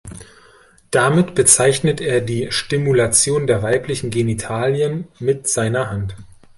Damit bezeichnet er die Stimulation der weiblichen Genitalien mit seiner Hand.